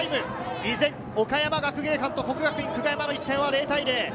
依然、岡山学芸館と國學院久我山の一戦は０対０。